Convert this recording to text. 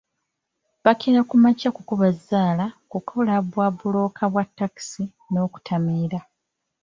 Bakeera ku makya kukuba zzaala, kukola bwa bbulooka bwa takisi n’okutamiira.